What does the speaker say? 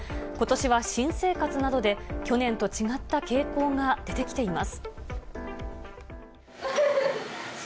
ことしは新生活などで、去年と違った傾向が出てきています。